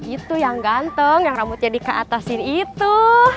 itu yang ganteng yang rambutnya dikeatasin itu